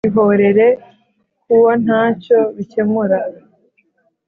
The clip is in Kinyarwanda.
Ntimukihorere kuo ntacyo bikemura